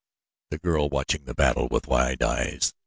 The girl stood watching the battle with wide eyes.